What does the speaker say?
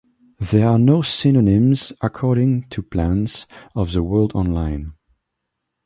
There are no synonyms according to Plants of the World Online.